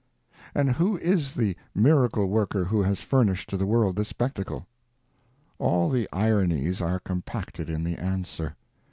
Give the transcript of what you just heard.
And who is the miracle worker who has furnished to the world this spectacle? All the ironies are compacted in the answer.